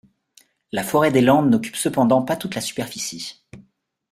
La forêt des Landes n'occupe cependant pas toute la superficie.